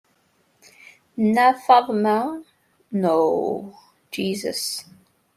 Nna Feḍmuca txuṣṣ deg yiẓri, ma d Lalla Xelluǧa tegrurez yerna tecbeḥ.